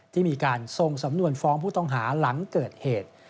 ที่มีการส่งสำนวนฟ้องผู้ต้องหาหลังเกิดเหตุ